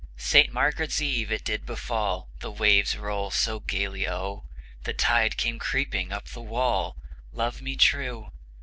Saint Margaret's Eve it did befall, The waves roll so gayly O, The tide came creeping up the wall, Love me true!